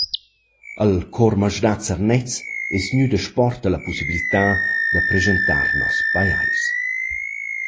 Al Cor masdà Zernez es gnüda sporta la pussibiltà da rapreschantar nos pajais.